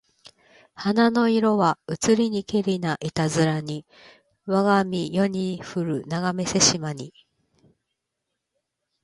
花の色はうつりにけりないたづらにわが身世にふるながめせしまに